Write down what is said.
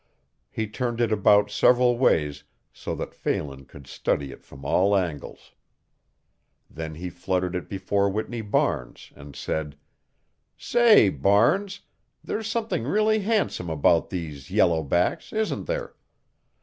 He turned it about several ways so that Phelan could study it from all angles. Then he fluttered it before Whitney Barnes and said: "Say, Barnes, there's something really handsome about these yellow backs, isn't there?